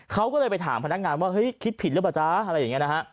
เขาก็เลยไปถามพนักงานว่าเฮ้ยคิดผิดหรือเปล่าจ๊ะอะไรอย่างนี้นะฮะ